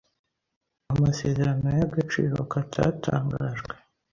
amasezerano y'agaciro katatangajwe